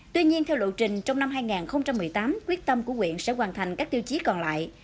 tuy nhiên theo lộ trình trong năm hai nghìn một mươi tám quyết tâm của quyện sẽ hoàn thành các tiêu chí còn lại